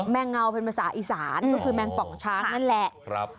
งเงาเป็นภาษาอีสานก็คือแมงป่องช้างนั่นแหละ